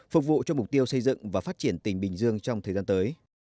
phục vụ cho mục tiêu xây dựng và phát triển tỉnh bình dương trong thời gian tới